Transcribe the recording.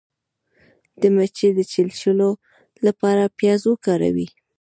د مچۍ د چیچلو لپاره پیاز وکاروئ